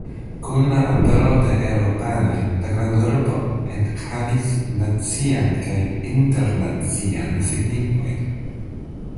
Kun la apero de la eŭropanoj la grandurbo ekhavis nacian kaj internacian signifojn.